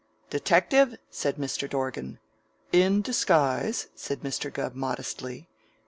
"Detective?" said Mr. Dorgan. "In disguise," said Mr. Gubb modestly.